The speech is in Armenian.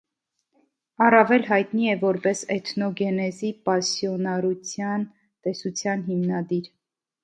Առավել հայտնի է որպես էթնոգենեզի պասիոնարության տեսության հիմնադիր։